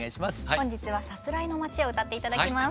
本日は「さすらいの街」を歌って頂きます。